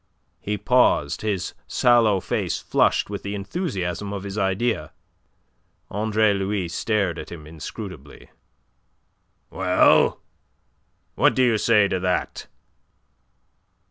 He paused, his sallow face flushed with the enthusiasm of his idea. Andre Louis stared at him inscrutably. "Well, what do you say to that?"